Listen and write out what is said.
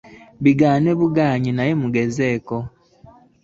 Bigaane bugaanyi naye nga mugezezzaako.